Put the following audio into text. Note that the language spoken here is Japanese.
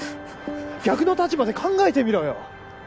逆の立場で考えてみろよ！